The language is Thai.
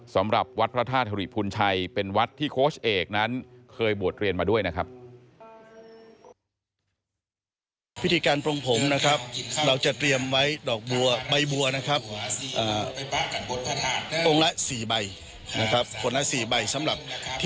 สำหรับวัดพระธาตุธริพุนชัยเป็นวัดที่โค้ชเอกนั้นเคยบวชเรียนมาด้วยนะครับ